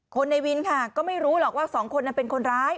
คนในวินค่ะก็ไม่รู้หรอกว่าสองคนนั้นเป็นคนร้าย